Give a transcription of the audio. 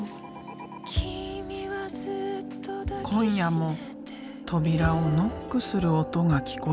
今夜も扉をノックする音が聞こえる。